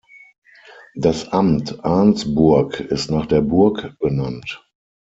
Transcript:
Das Amt Arnsburg ist nach der Burg benannt.